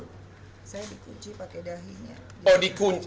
saya dikunci pakai dahinya